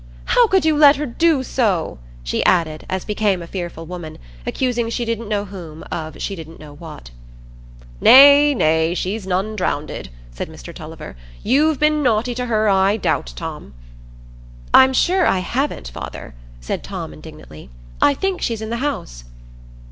"How could you let her do so?" she added, as became a fearful woman, accusing she didn't know whom of she didn't know what. "Nay, nay, she's none drownded," said Mr Tulliver. "You've been naughty to her, I doubt, Tom?" "I'm sure I haven't, father," said Tom, indignantly. "I think she's in the house."